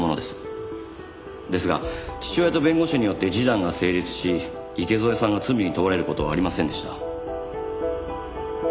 ですが父親と弁護士によって示談が成立し池添さんが罪に問われる事はありませんでした。